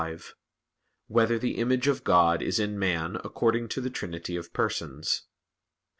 5] Whether the Image of God Is in Man According to the Trinity of Persons?